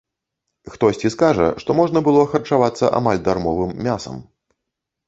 Хтосьці скажа, што можна было харчавацца амаль дармовым мясам.